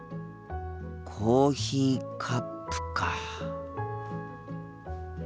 コーヒーカップか。